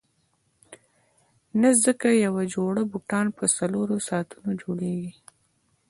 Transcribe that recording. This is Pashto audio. نه ځکه یوه جوړه بوټان په څلورو ساعتونو جوړیږي.